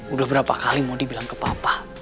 udah berapa kali mondi bilang ke papa